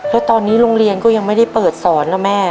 แล้วตอนนี้โรงเรียนก็ยังไม่ได้เปิดสอนนะแม่